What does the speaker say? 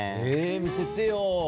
え見せてよ。